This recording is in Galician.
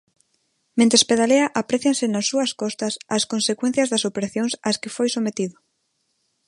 Mentres pedalea aprécianse nas súas costas as consecuencias das operacións ás que foi sometido.